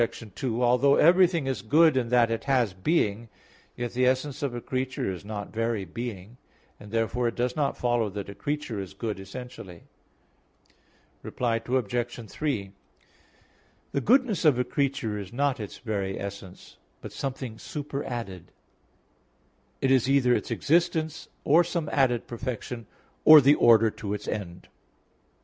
2: Although everything is good in that it has being, yet the essence of a creature is not very being; and therefore it does not follow that a creature is good essentially. Reply Obj. 3: The goodness of a creature is not its very essence, but something superadded; it is either its existence, or some added perfection, or the order to its end.